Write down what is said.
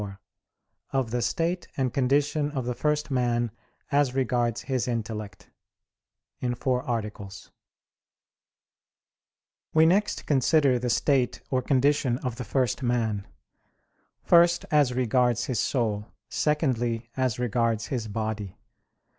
_______________________ QUESTION 94 OF THE STATE AND CONDITION OF THE FIRST MAN AS REGARDS HIS INTELLECT (In Four Articles) We next consider the state or condition of the first man; first, as regards his soul; secondly, as regards his body.